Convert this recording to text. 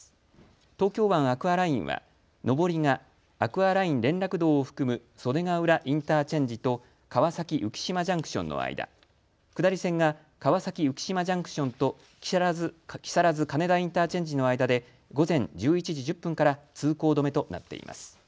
東京湾アクアラインは上りがアクアライン連絡道を含む袖ヶ浦インターチェンジと川崎浮島ジャンクションの間、下り線が川崎浮島ジャンクションと木更津金田インターチェンジの間で午前１１時１０分から通行止めとなっています。